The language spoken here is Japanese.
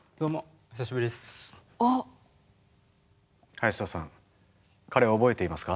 林田さん彼を覚えていますか？